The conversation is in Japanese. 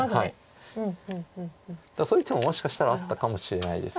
だからそういう手ももしかしたらあったかもしれないです。